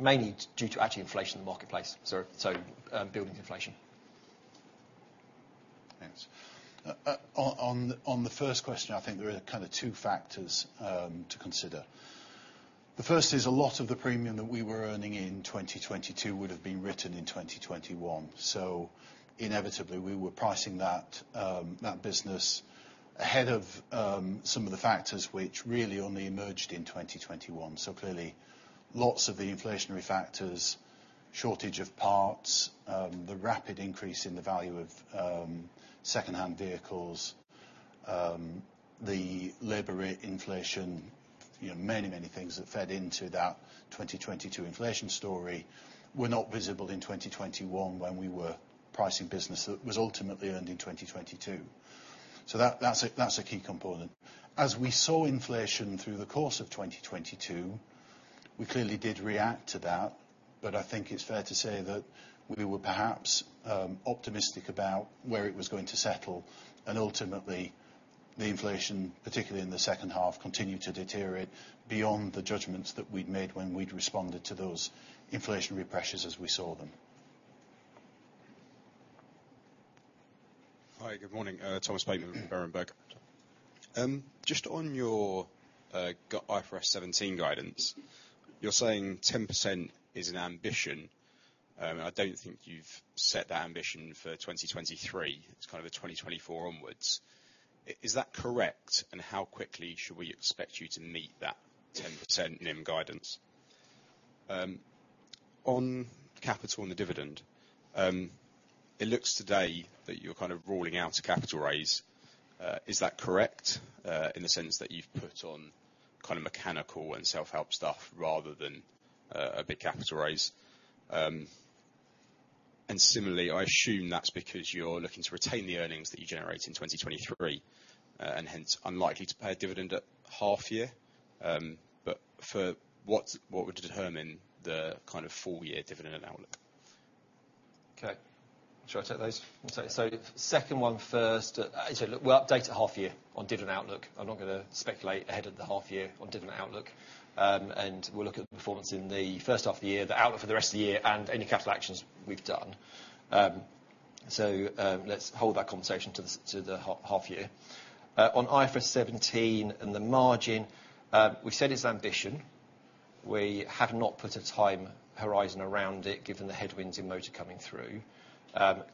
mainly due to actually inflation in the marketplace. Building inflation. Thanks. On the first question, I think there are kind of two factors to consider. The first is a lot of the premium that we were earning in 2022 would have been written in 2021. Inevitably, we were pricing that business ahead of some of the factors which really only emerged in 2021. Clearly, lots of the inflationary factors, shortage of parts, the rapid increase in the value of second-hand vehicles, the labor rate inflation, you know, many, many things that fed into that 2022 inflation story were not visible in 2021 when we were pricing business that was ultimately earned in 2022. That's a key component. As we saw inflation through the course of 2022, we clearly did react to that, but I think it's fair to say that we were perhaps, optimistic about where it was going to settle. Ultimately, the inflation, particularly in the second half, continued to deteriorate beyond the judgments that we'd made when we'd responded to those inflationary pressures as we saw them. Hi, good morning. Thomas Bateman of Berenberg. Just on your IFRS 17 guidance, you're saying 10% is an ambition. I don't think you've set that ambition for 2023. It's kind of a 2024 onwards. Is that correct? How quickly should we expect you to meet that 10% NIM guidance? On capital and the dividend, it looks today that you're kind of ruling out a capital raise. Is that correct, in the sense that you've put on kind of mechanical and self-help stuff rather than a big capital raise? Similarly, I assume that's because you're looking to retain the earnings that you generate in 2023, and hence unlikely to pay a dividend at half year. But for what would determine the kind of full year dividend outlook? Okay. Should I take those? Second one first. Actually, look, we'll update at half year on dividend outlook. I'm not gonna speculate ahead of the half year on dividend outlook. We'll look at the performance in the first half of the year, the outlook for the rest of the year, and any capital actions we've done. Let's hold that conversation to the half year. On IFRS 17 and the margin, we've said it's ambition. We have not put a time horizon around it, given the headwinds in motor coming through.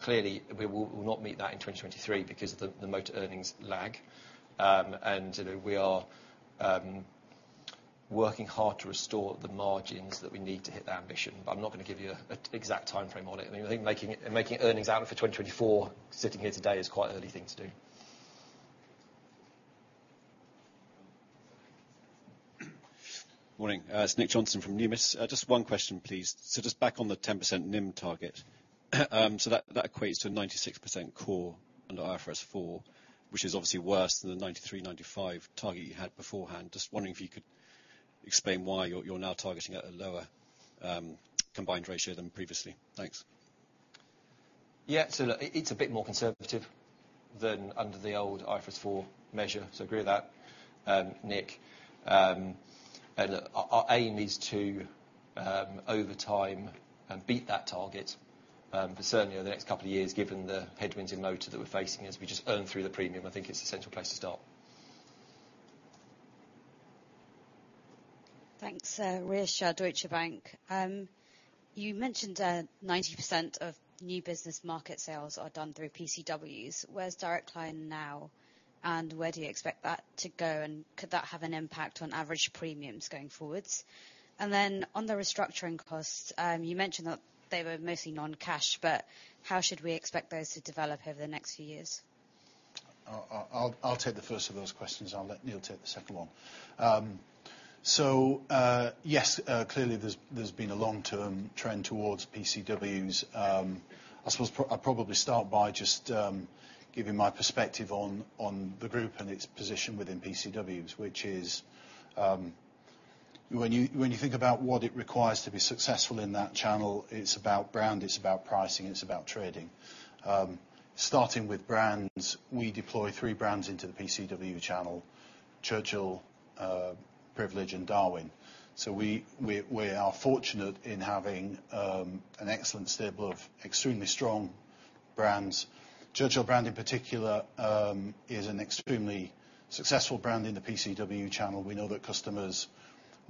Clearly we will not meet that in 2023 because the motor earnings lag. You know, we are working hard to restore the margins that we need to hit the ambition. I'm not gonna give you a exact timeframe on it. I think making earnings out for 2024, sitting here today is quite early thing to do. Morning. It's Nick Johnson from Numis. Just one question, please. Just back on the 10% NIM target. That equates to 96% core under IFRS 4, which is obviously worse than the 93%-95% target you had beforehand. Just wondering if you could explain why you're now targeting at a lower combined ratio than previously? Thanks. Yeah. Look, it's a bit more conservative than under the old IFRS 4 measure. Agree with that, Nick. Our aim is to, over time, beat that target. Certainly over the next couple of years, given the headwinds in motor that we're facing, as we just earn through the premium, I think it's a central place to start. Thanks. Rhea Shah, Deutsche Bank. You mentioned that 90% of new business market sales are done through PCWs. Where's Direct Line now, and where do you expect that to go, and could that have an impact on average premiums going forwards? On the restructuring costs, you mentioned that they were mostly non-cash, but how should we expect those to develop over the next few years? I'll take the first of those questions, I'll let Neil take the second one. Yes, clearly there's been a long-term trend towards PCWs. I suppose I'll probably start by just giving my perspective on the group and its position within PCWs, which is, when you think about what it requires to be successful in that channel, it's about brand, it's about pricing, and it's about trading. Starting with brands, we deploy three brands into the PCW channel, Churchill, Privilege and Darwin. We are fortunate in having an excellent stable of extremely strong brands. Churchill brand in particular, is an extremely successful brand in the PCW channel. We know that customers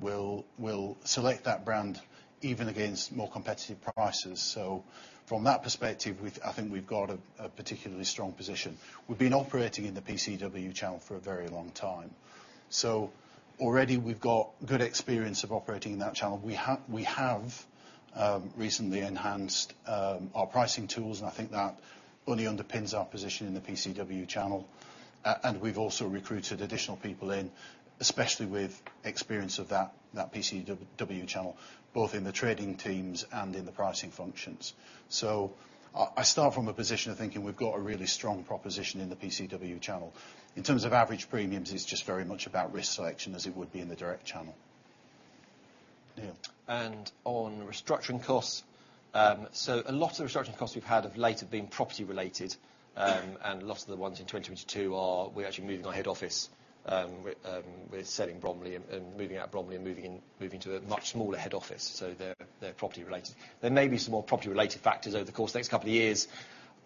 will select that brand even against more competitive prices. From that perspective, I think we've got a particularly strong position. We've been operating in the PCW channel for a very long time. Already we've got good experience of operating in that channel. We have recently enhanced our pricing tools, and I think that only underpins our position in the PCW channel. We've also recruited additional people in, especially with experience of that PCW channel, both in the trading teams and in the pricing functions. I start from a position of thinking we've got a really strong proposition in the PCW channel. In terms of average premiums, it's just very much about risk selection as it would be in the direct channel. Neil. On restructuring costs, a lot of the restructuring costs we've had of late have been property related. A lot of the ones in 2022 are we're actually moving our head office. We're selling Bromley and moving out of Bromley and moving in, moving to a much smaller head office. They're, they're property related. There may be some more property related factors over the course of the next couple of years,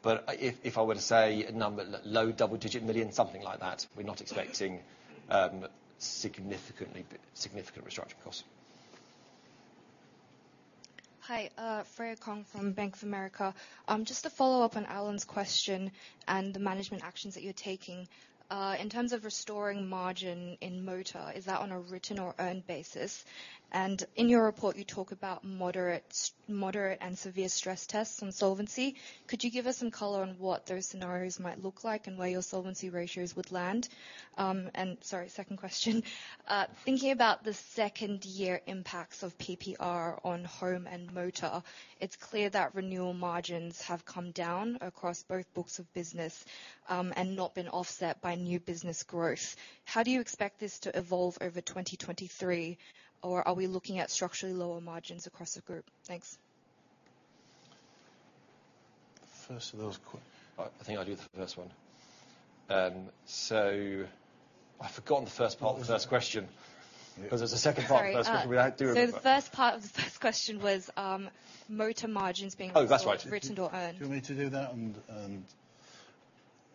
but if I were to say a number, low double-digit million, something like that. We're not expecting significant restructuring costs. Hi. Freya Kong from Bank of America. Just to follow up on Alan's question and the management actions that you're taking. In terms of restoring margin in motor, is that on a written or earned basis? In your report, you talk about moderate and severe stress tests on solvency. Could you give us some color on what those scenarios might look like and where your solvency ratios would land? Sorry, second question. Thinking about the second year impacts of PPR on home and motor, it's clear that renewal margins have come down across both books of business and not been offset by new business growth. How do you expect this to evolve over 2023? Or are we looking at structurally lower margins across the group? Thanks. First of those que- I think I'll do the first one. I've forgotten the first part of the first question. Yeah. 'Cause there's a second part of the first question. Sorry. We don't do it. The first part of the first question was, motor margins. Oh, that's right. written or earned. Do you want me to do that and...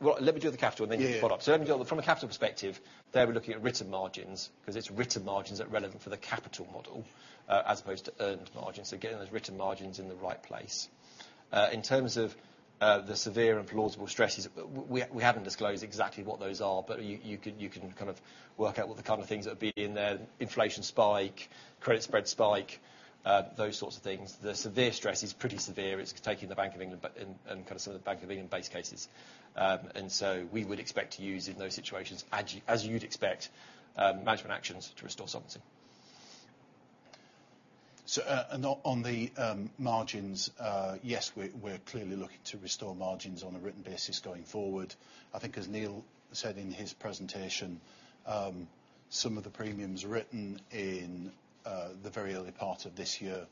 Well, let me do the capital and then do the product. Yeah. Let me do it from a capital perspective, there, we're looking at written margins 'cause it's written margins that are relevant for the capital model, as opposed to earned margins. Again, there's written margins in the right place. In terms of the severe and plausible stresses, we haven't disclosed exactly what those are, but you can kind of work out what the kind of things that would be in there. Inflation spike, credit spread spike, those sorts of things. The severe stress is pretty severe. It's taking the Bank of England and kind of some of the Bank of England base cases. We would expect to use in those situations, as you'd expect, management actions to restore solvency. On the margins, yes, we're clearly looking to restore margins on a written basis going forward. I think as Neil said in his presentation, Some of the premiums written in the very early part of this year,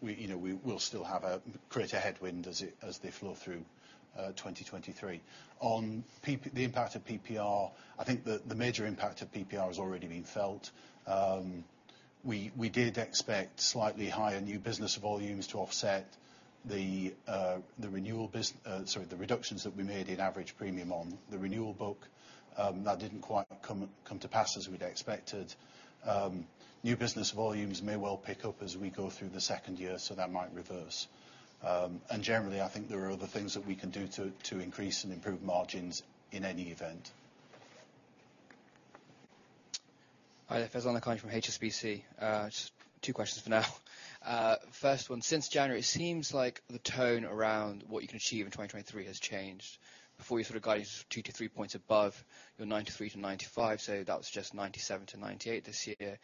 we, you know, we will still create a headwind as it, as they flow through 2023. On the impact of PPR, I think the major impact of PPR has already been felt. We did expect slightly higher new business volumes to offset the renewal, sorry, the reductions that we made in average premium on the renewal book. That didn't quite come to pass as we'd expected. New business volumes may well pick up as we go through the second year, so that might reverse. Generally, I think there are other things that we can do to increase and improve margins in any event. Hi, Fayez Khan from HSBC. Just two questions for now. First one, since January, it seems like the tone around what you can achieve in 2023 has changed. Before you sort of guide us two-three points above your 93-95, so that was just 97-98 this year.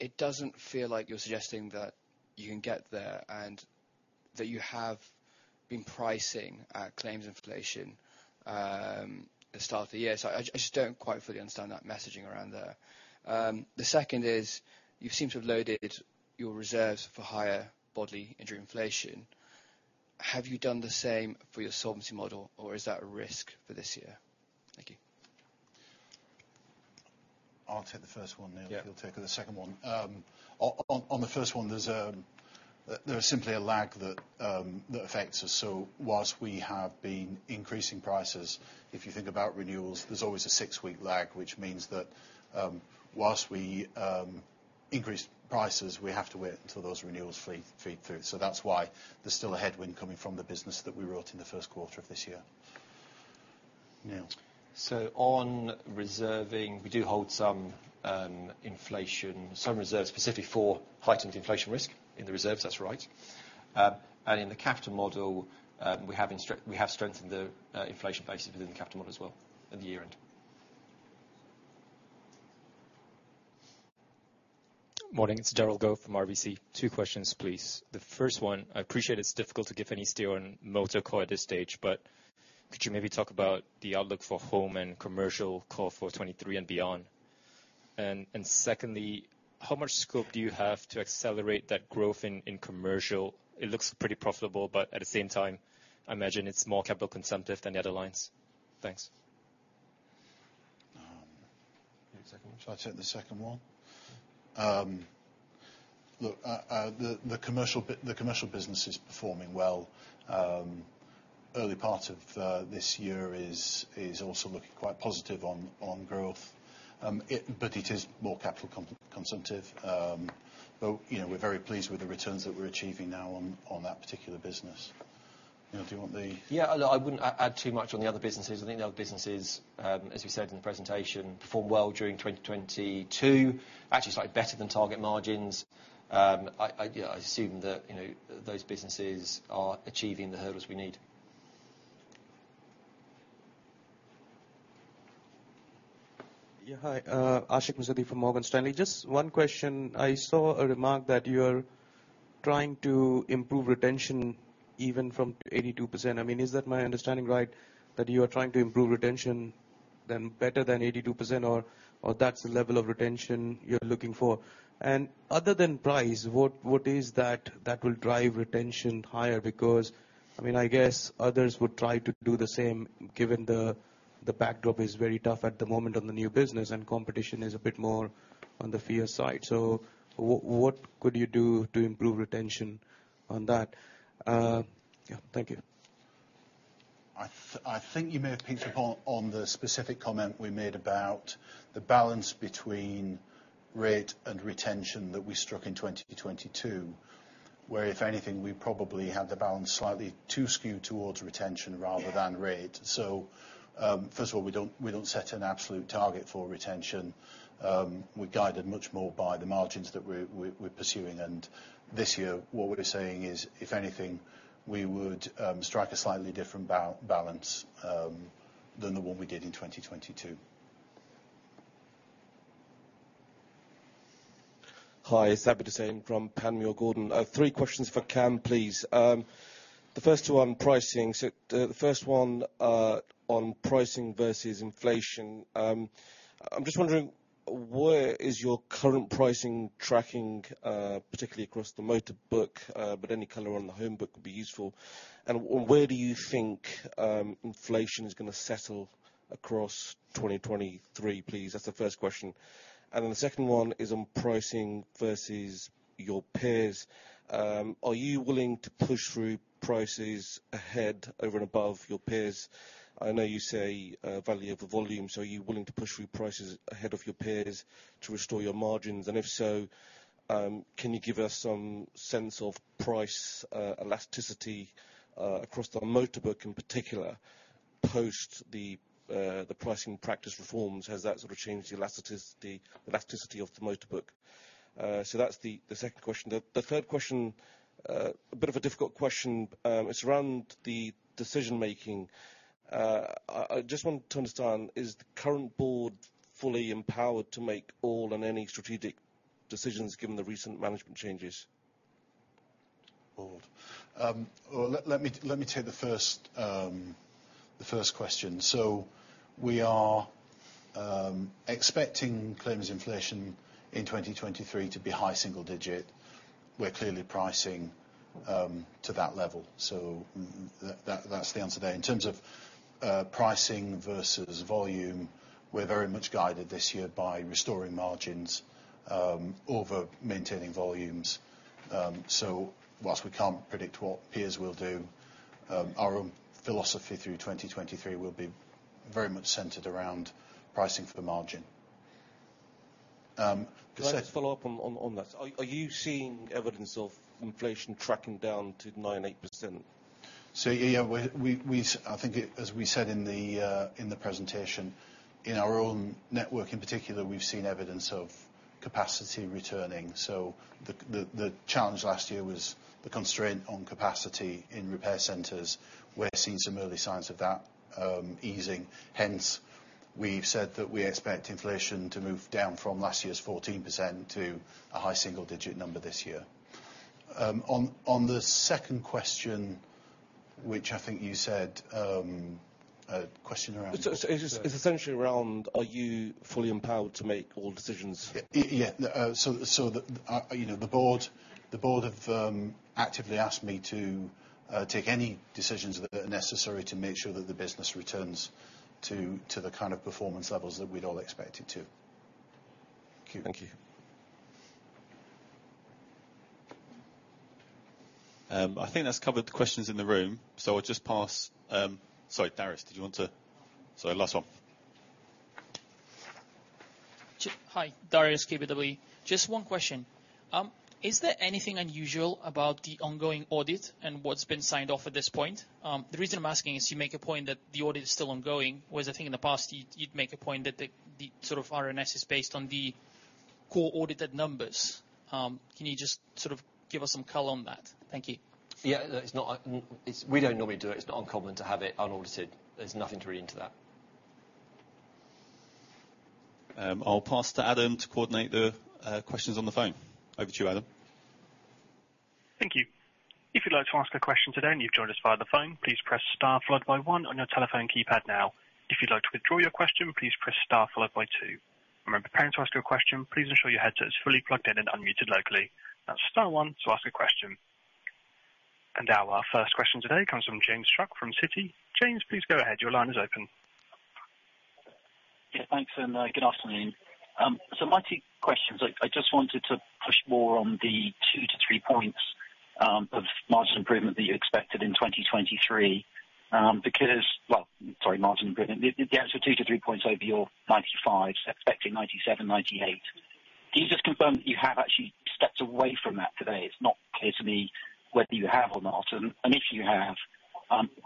It doesn't feel like you're suggesting that you can get there, and that you have been pricing, claims inflation, at the start of the year. I just don't quite fully understand that messaging around there. The second is, you seem to have loaded your reserves for higher bodily injury inflation. Have you done the same for your solvency model, or is that a risk for this year? Thank you. I'll take the first one, Neil. Yeah. He'll take the second one. On the first one, there's simply a lag that affects us. Whilst we have been increasing prices, if you think about renewals, there's always a six-week lag, which means that, whilst we increase prices, we have to wait until those renewals feed through. That's why there's still a headwind coming from the business that we wrote in the Q1 of this year, Neil. On reserving, we do hold some inflation, some reserves specifically for heightened inflation risk in the reserves, that's right. In the capital model, we have strengthened the inflation basis within the capital model as well at the year-end. Morning, it's Gérald Gō from RBC. Two questions, please. The first one, I appreciate it's difficult to give any steer on motor core at this stage, but could you maybe talk about the outlook for home and commercial core for 2023 and beyond? Secondly, how much scope do you have to accelerate that growth in commercial? It looks pretty profitable, but at the same time, I imagine it's more capital consumptive than the other lines. Thanks. Um. You take the second one. Shall I take the second one? The commercial business is performing well. Early part of this year is also looking quite positive on growth. It is more capital consumptive. You know, we're very pleased with the returns that we're achieving now on that particular business. Neil, do you want? I wouldn't add too much on the other businesses. I think the other businesses, as we said in the presentation, performed well during 2022. Actually, slightly better than target margins. I assume that, you know, those businesses are achieving the hurdles we need. Yeah, hi, Ashik Musaddi from Morgan Stanley. Just one question. I saw a remark that you're trying to improve retention even from 82%. I mean, is that my understanding right, that you are trying to improve retention then better than 82%, or that's the level of retention you're looking for? Other than price, what is that will drive retention higher? Because, I mean, I guess others would try to do the same given the backdrop is very tough at the moment on the new business, and competition is a bit more on the fear side. What could you do to improve retention on that? Yeah. Thank you. I think you may have picked up on the specific comment we made about the balance between rate and retention that we struck in 2022, where if anything, we probably had the balance slightly too skewed towards retention rather than rate. First of all, we don't set an absolute target for retention. We're guided much more by the margins that we're pursuing. This year, what we're saying is, if anything, we would strike a slightly different balance than the one we did in 2022. Hi, Abid Hussain from Panmure Gordon. I have three questions for Cam, please. The first two on pricing. The first one on pricing versus inflation. I'm just wondering, where is your current pricing tracking, particularly across the motor book? Any color on the home book would be useful. Where do you think inflation is going to settle across 2023, please? That's the first question. The second one is on pricing versus your peers. Are you willing to push through prices ahead, over and above your peers? I know you say, value over volume, are you willing to push through prices ahead of your peers to restore your margins? If so, can you give us some sense of price elasticity across the motor book in particular, post the Pricing Practice Reforms? Has that sort of changed the elasticity of the motor book? That's the second question. The third question, a bit of a difficult question. It's around the decision-making. I just want to understand, is the current board fully empowered to make all and any strategic decisions given the recent management changes? Well, let me take the first question. We are expecting claims inflation in 2023 to be high single-digit. We're clearly pricing to that level. That's the answer there. In terms of pricing versus volume, we're very much guided this year by restoring margins over maintaining volumes. Whilst we can't predict what peers will do, our own philosophy through 2023 will be very much centered around pricing for the margin. Cassette- Can I just follow up on that? Are you seeing evidence of inflation tracking down to 9%, 8%? Yeah, we, I think it, as we said in the presentation, in our own network in particular, we've seen evidence of capacity returning. The challenge last year was the constraint on capacity in repair centers. We're seeing some early signs of that easing. Hence, we've said that we expect inflation to move down from last year's 14% to a high single-digit number this year. On the second question, which I think you said. It is, it is essentially around are you fully empowered to make all decisions? Yeah. Yeah. The, you know, the board have actively asked me to take any decisions that are necessary to make sure that the business returns to the kind of performance levels that we'd all expect it to. Thank you. Thank you. I think that's covered the questions in the room. I'll just pass. Sorry, Darius, last one. Hi. Darius, KBW. Just one question. Is there anything unusual about the ongoing audit and what's been signed off at this point? The reason I'm asking is you make a point that the audit is still ongoing. Whereas I think in the past, you'd make a point that the sort of RNS is based on the core audited numbers. Can you just sort of give us some color on that? Thank you. Yeah. No, it's not, we don't normally do it. It's not uncommon to have it unaudited. There's nothing to read into that. I'll pass to Adam to coordinate the questions on the phone. Over to you, Adam. Thank you. If you'd like to ask a question today, and you've joined us via the phone, please press star followed by one on your telephone keypad now. If you'd like to withdraw your question, please press star followed by two. Remember, preparing to ask your question, please ensure your headset is fully plugged in and unmuted locally. That's star one to ask a question. Now our first question today comes from James Shuck from Citi. James, please go ahead. Your line is open. Yeah, thanks, good afternoon. My two questions, I just wanted to push more on the two-three points of margin improvement that you expected in 2023, because... Well, sorry, margin improvement. The answer two-three points over your 95, expecting 97, 98. Can you just confirm that you have actually stepped away from that today? It's not clear to me whether you have or not. If you have,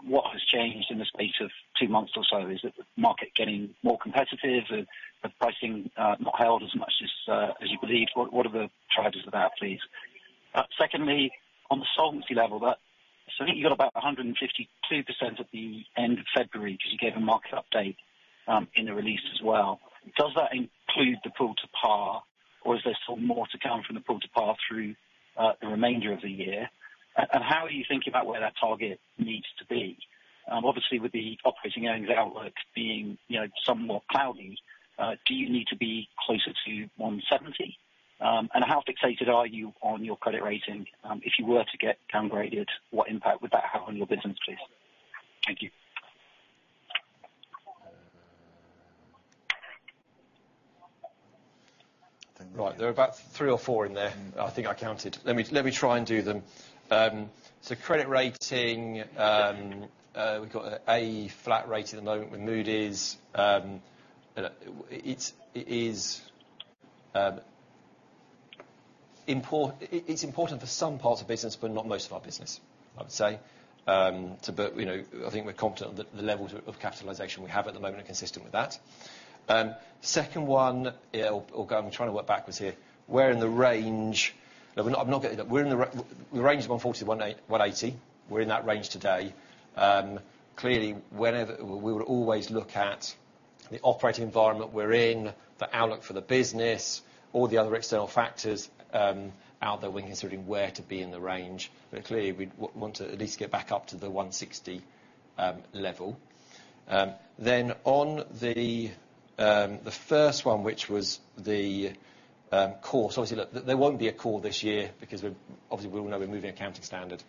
what has changed in the space of two months or so? Is it the market getting more competitive and the pricing not held as much as you believed? What are the drivers of that, please? Secondly, on the solvency level, so I think you got about 152% at the end of February 'cause you gave a market update in the release as well. Does that include the pull to par, or is there still more to come from the pull to par through the remainder of the year? How are you thinking about where that target needs to be? Obviously with the operating earnings outlook being, you know, somewhat cloudy, do you need to be closer to 170%? How fixated are you on your credit rating? If you were to get downgraded, what impact would that have on your business, please? Thank you. Right. There are about three or four in there. I think I counted. Let me try and do them. Credit rating, we've got a flat rate at the moment with Moody's. It's important for some parts of business, but not most of our business, I would say. You know, I think we're confident that the levels of capitalization we have at the moment are consistent with that. Second one, yeah, or I'm trying to work backwards here. We're in the range of 140%-180%. We're in that range today. Clearly, whenever we would always look at the operating environment we're in, the outlook for the business, all the other external factors, out there when considering where to be in the range. Clearly, we'd want to at least get back up to the 160 level. On the first one, which was the call. Obviously, look, there won't be a call this year because we're obviously we all know we're moving accounting standard.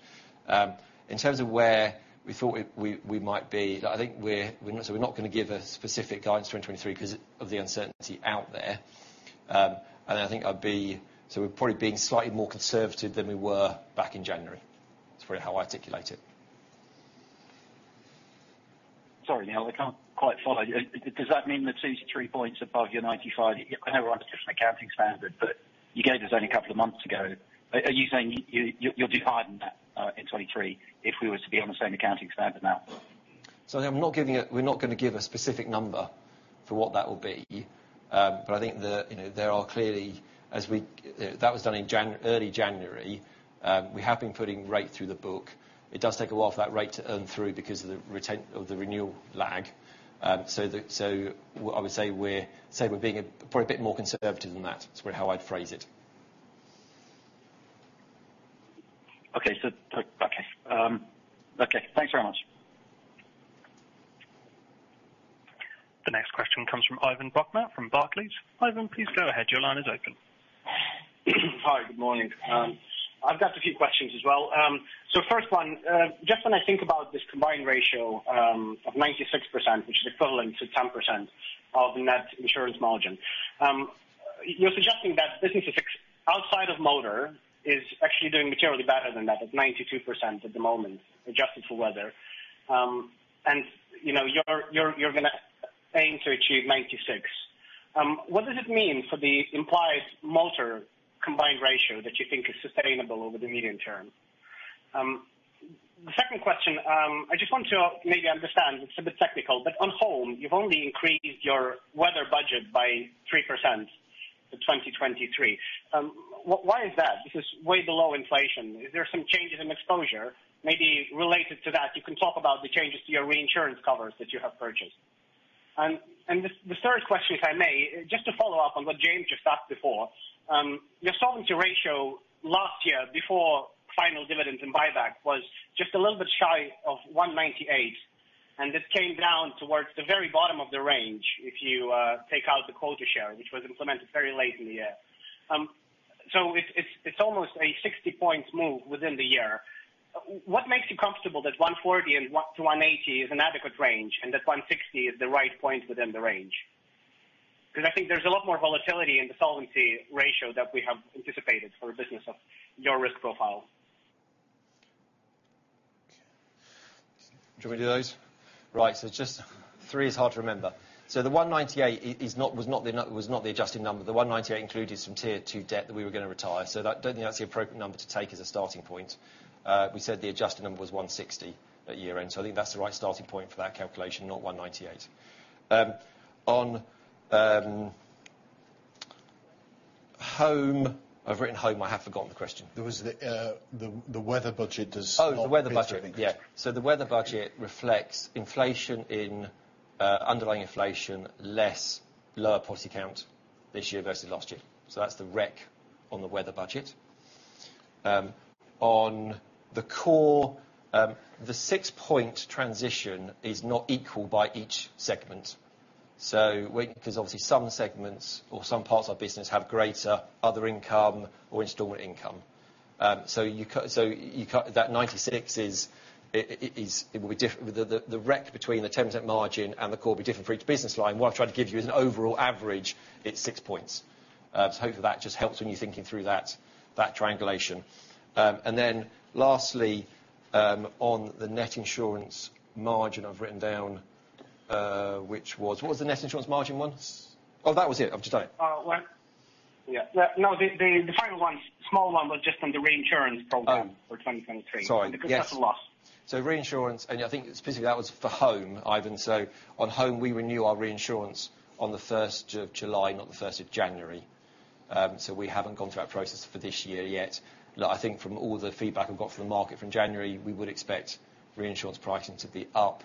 In terms of where we thought it, we might be, I think we're not, so we're not gonna give a specific guidance 2023 'cause of the uncertainty out there. I think I'd be, so we're probably being slightly more conservative than we were back in January. That's probably how I'd articulate it. Sorry, Neil, I can't quite follow. Does that mean the two-three points above your 95? I know we're on a different accounting standard, but you gave this only a couple of months ago. Are you saying you're dividing that in 2023 if we were to be on the same accounting standard now? We're not gonna give a specific number for what that will be. I think the, you know, there are clearly, That was done in January, early January. We have been putting rate through the book. It does take a while for that rate to earn through because of the renewal lag. what I would say we're being a, probably a bit more conservative than that is probably how I'd phrase it. Okay. The next question comes from Ivan Bokhmat from Barclays. Ivan, please go ahead. Your line is open. Hi, good morning. I've got a few questions as well. First one, just when I think about this combined ratio of 96%, which is equivalent to 10% of net insurance margin. You're suggesting that businesses outside of motor is actually doing materially better than that, at 92% at the moment, adjusted for weather. You know, you're gonna aim to achieve 96%. What does it mean for the implied motor combined ratio that you think is sustainable over the medium term? The second question, I just want to maybe understand, it's a bit technical, but on home, you've only increased your weather budget by 3% for 2023. Why is that? This is way below inflation. Is there some changes in exposure? Maybe related to that, you can talk about the changes to your reinsurance covers that you have purchased. The third question, if I may, just to follow up on what James just asked before. Your solvency ratio last year, before final dividends and buyback, was just a little bit shy of 198, and this came down towards the very bottom of the range if you take out the quota share, which was implemented very late in the year. It's almost a 60 points move within the year. What makes you comfortable that 140 and 1-180 is an adequate range, and that 160 is the right point within the range? I think there's a lot more volatility in the solvency ratio that we have anticipated for a business of your risk profile. Do you wanna do those? Just three is hard to remember. The 198 is not, was not the adjusted number. The 198 included some Tier 2 debt that we were gonna retire. That, don't think that's the appropriate number to take as a starting point. We said the adjusted number was 160 at year-end, I think that's the right starting point for that calculation, not 198. On Home. I've written home, I have forgotten the question. It was the weather budget does not. The weather budget. The weather budget reflects inflation in underlying inflation, less lower policy count this year versus last year. That's the rec on the weather budget. On the core, the six-point transition is not equal by each segment. 'Cause obviously some segments or some parts of our business have greater other income or installment income. That 96 is, it will be the rec between the 10% margin and the core will be different for each business line. What I've tried to give you is an overall average at six points. Hopefully that just helps when you're thinking through that triangulation. Lastly, on the net insurance margin, I've written down, which was... What was the net insurance margin one? Oh, that was it. I'm just done. Oh, well, yeah. No, the final one, small one, was just on the reinsurance program. Oh. for 2023. Sorry. Yes. That's a loss. Reinsurance, and I think specifically that was for home, Ivan. On home, we renew our reinsurance on the first of July, not the first of January. We haven't gone through that process for this year yet. Look, I think from all the feedback we've got from the market from January, we would expect reinsurance pricing to be up.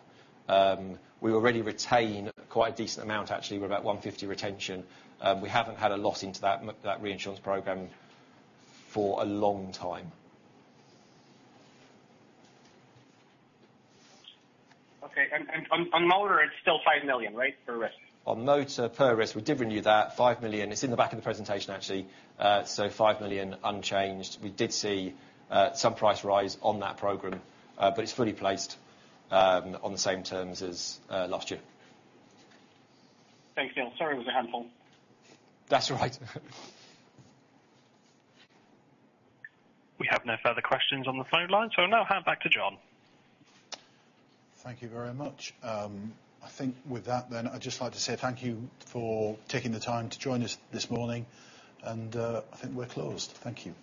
We already retain quite a decent amount actually. We're about 150 retention. We haven't had a lot into that reinsurance program for a long time. Okay. On motor, it's still 5 million, right? Per risk. On motor per risk, we did renew that 5 million. It's in the back of the presentation, actually. 5 million unchanged. We did see some price rise on that program. It's fully placed on the same terms as last year. Thanks, Neil. Sorry it was a handful. That's all right. We have no further questions on the phone line, so I'll now hand back to Jon. Thank you very much. I think with that then, I'd just like to say thank you for taking the time to join us this morning. I think we're closed. Thank you.